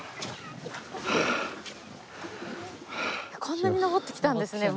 こんなに上ってきたんですね